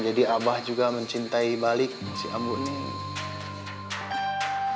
jadi abah juga mencintai balik si ambu neng